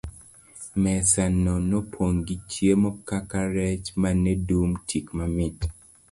Mesa no nopong' gi chiemo kaka rech mane dum tik mamit.